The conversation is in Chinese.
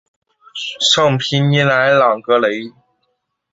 尚皮尼莱朗格雷。